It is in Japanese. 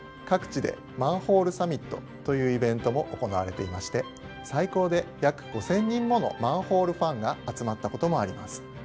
各地で「マンホールサミット」というイベントも行われていまして最高で約５，０００人ものマンホールファンが集まったこともあります。